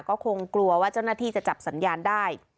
ก็คงกลัวว่าเจ้าหน้าที่จะจับสัญญาณได้